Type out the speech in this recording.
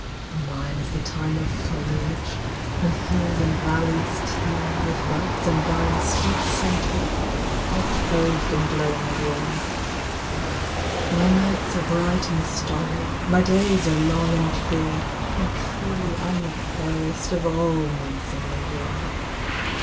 Mine is the time of foliage, When hills arid valleys teem With buds and vines sweet scented, All clothed in glowing green. 82 JUNE. My riiglits are bright and starry, My days are long and clear And truly I'm the fairest, Of all months in the year.